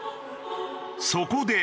そこで。